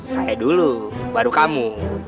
saya dulu baru kamu